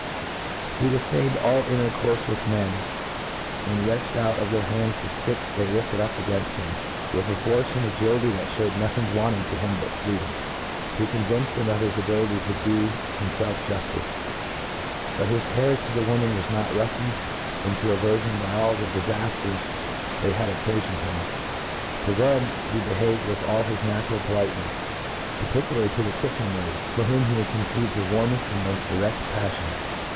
He dilQained all intercourfe with the men, and wrenched out' out of their hands the ftick« they Hfted up a gainft him, with a force and agility that Ihewed nothing wanting' to bini but freedom, to con vince fhem of his ability to do himfelf jufticc«» But his carriage to the ^omen was not roughen ed into averfion by all the difaftcrs they had oc cafioned him ; to them^he behaved with all his natural politenefs j particularly to the kitchen^ maid, for whom he had conceived the warmeft and mod direO: p^flion.